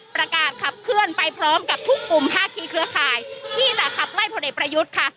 ประกาศขับเคลื่อนไปพร้อมกับทุกกลุ่มภาคีเครือข่ายที่จะขับไล่ผลเอกประยุทธ์ค่ะ